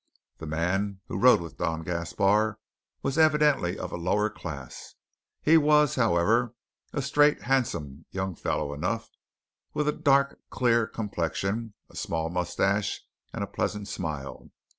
The man who rode with Don Gaspar was evidently of a lower class. He was, however, a straight handsome young fellow enough, with a dark clear complexion, a small moustache, and a pleasant smile.